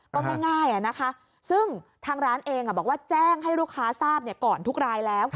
ก็ง่ายนะคะซึ่งทางร้านเองบอกว่าแจ้งให้ลูกค้าทราบก่อนทุกรายแล้ว